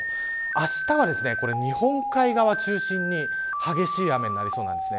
あしたは、日本海側を中心に激しい雨になりそうです。